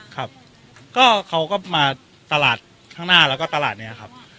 ครับก็เขาก็มาตลาดข้างหน้าแล้วก็ตลาดนี้ครับ